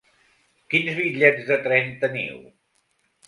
Quins bitllets de tren teniu?